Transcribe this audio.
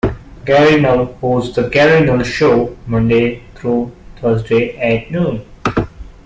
"Gary Null" hosts the Gary Null Show, Monday through Thursday at noon.